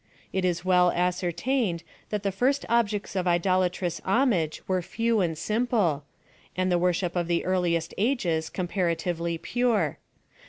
It is well ascertained that the first objects of idolatrous homage were few and simple, and the worship of the earliest ages comparatively pure.